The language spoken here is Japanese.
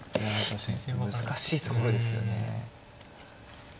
難しいところですよね。